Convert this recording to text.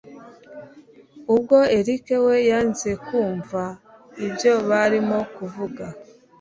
ubwo erick we yanze kumva ibyo barimo kuvuga